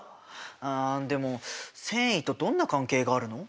あでも繊維とどんな関係があるの？